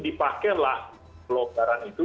dipakailah kelonggaran itu